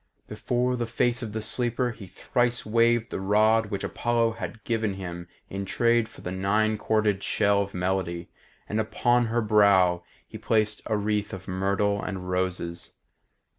Before the face of the sleeper he thrice waved the rod which Apollo had given him in trade for the nine corded shell of melody, and upon her brow he placed a wreath of myrtle and roses.